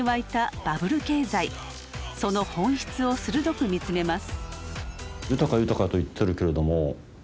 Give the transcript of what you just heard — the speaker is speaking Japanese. その本質を鋭く見つめます。